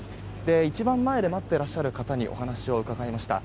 一番前で待ってらっしゃる方に話を伺いました。